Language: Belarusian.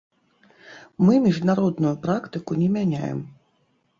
Мы міжнародную практыку не мяняем.